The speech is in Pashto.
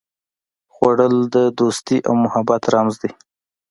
خوړل د دوستي او محبت رمز دی